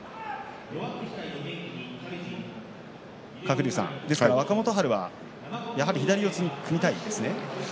鶴竜さん、若元春はやはり左四つに組みたいですね。